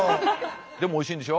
でもおいしいんでしょ。